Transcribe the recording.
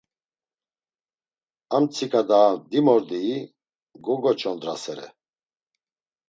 Amtsika daha dimordii gogoç̌ondrasere.